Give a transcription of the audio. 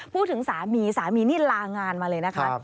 พูดถึงสามีสามีนี่ลางานมาเลยนะคะ